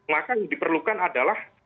maka yang diperlukan adalah